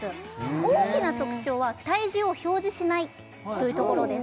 大きな特徴は体重を表示しないというところです